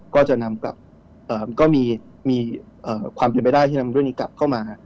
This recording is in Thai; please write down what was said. ก็จะนำกลับก็มีความเป็นไปได้ที่นำเรื่องนี้กลับเข้ามา